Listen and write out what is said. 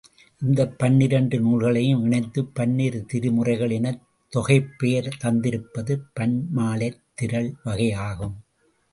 இந்தப் பன்னிரண்டு நூல்களையும் இணைத்துப் பன்னிரு திருமுறைகள் எனத் தொகைப் பெயர் தந்திருப்பது, பன் மாலைத் திரள் வகையாகும்.